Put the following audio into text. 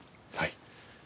はい。